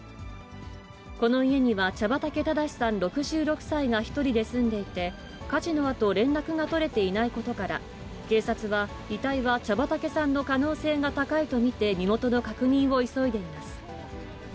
この家には茶畑正さん６６歳が１人で住んでいて、火事のあと、連絡が取れていないことから、警察は、遺体は茶畑さんの可能性が高いと見て、身元の確認を急いでいます。